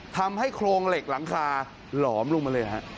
ทำให้โครงเหล็กหลังคาหลอมลงมาเลย